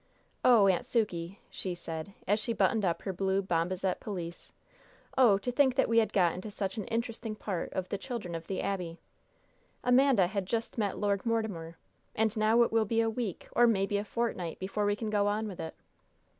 "Oh, Aunt Sukey," she said, as she buttoned up her blue bombazet pelisse "oh, to think that we had got into such an interesting part of 'The Children of the Abbey!' Amanda had just met Lord Mortimer! And now it will be a week, or maybe a fortnight, before we can go on with it."